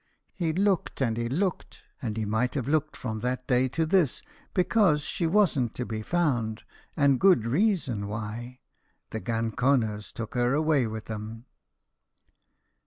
He looked, and he looked, and he might have looked from that day to this, bekase she wasn't to be found, and good reason why the ganconers took her away with 'em.